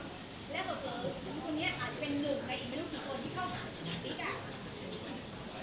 แล้วก็เกิดวันนี้อาจจะเป็นหนึ่งใดอีกไม่รู้กี่คนที่เข้าหา